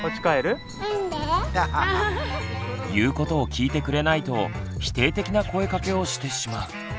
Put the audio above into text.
言うことを聞いてくれないと否定的な声かけをしてしまう。